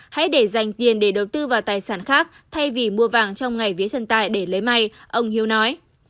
hãy để dành tiền để đầu tư vào tài sản khác thay vì mua vàng trong ngày vía thần tài để lấy may ông hiếu nói